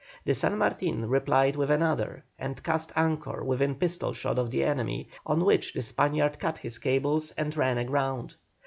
The San Martin replied with another and cast anchor within pistol shot of the enemy, on which the Spaniard cut his cables and ran aground.